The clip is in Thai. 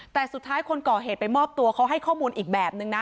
แต่สุดท้ายคนก่อเหตุไปมอบตัวเขาให้ข้อมูลอีกแบบนึงนะ